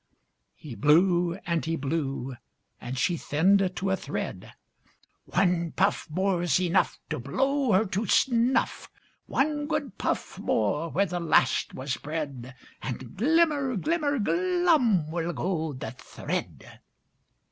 He blew and he blew, and she thinned to a thread. "One puff More's enough To blow her to snuff! One good puff more where the last was bred, And glimmer, glimmer, glum will go the thread."